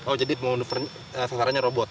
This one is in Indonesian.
oh jadi sasarannya robot